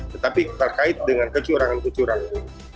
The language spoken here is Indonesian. tetapi terkait dengan kecurangan kecurangan